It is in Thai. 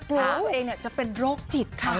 ว่าตัวเองจะเป็นโรคจิตค่ะ